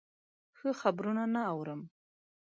ښه خبرونه نه اورم.